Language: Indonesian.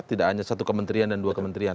tidak hanya satu kementerian dan dua kementerian